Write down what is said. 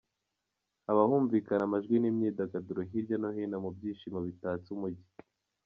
Haba humvikana amajwi n’imyidagaduro hirya no hino mu byishimo bitatse umujyi.